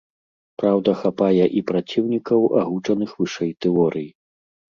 Праўда, хапае і праціўнікаў агучаных вышэй тэорый.